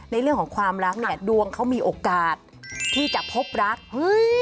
ในเรื่องของความรักเนี่ยดวงเขามีโอกาสที่จะพบรักเฮ้ย